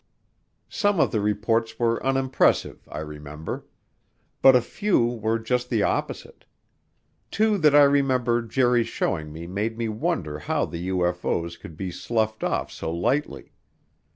Some of the reports were unimpressive, I remember. But a few were just the opposite. Two that I remember Jerry's showing me made me wonder how the UFO's could be sloughed off so lightly.